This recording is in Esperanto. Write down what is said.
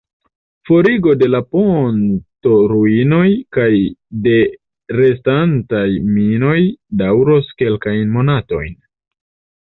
Forigo de la pontoruinoj kaj de restantaj minoj daŭros kelkajn monatojn.